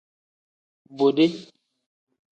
Bode.